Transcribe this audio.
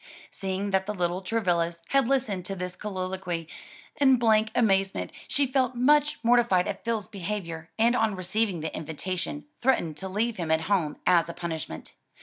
Seeing that the little Travillas had listened to this colloquy in blank amazement, she felt much mortified at Phil's behavior, and on receiving the invitation threatened to leave him at home as a punishment.